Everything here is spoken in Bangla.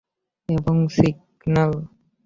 এবং, সিগন্যাল।